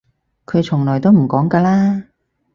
佢從來都唔講㗎啦